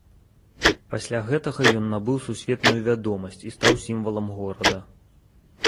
Пасля гэтага ён набыў сусветную вядомасць і стаў сімвалам горада.